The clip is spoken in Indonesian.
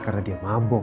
karena dia mabok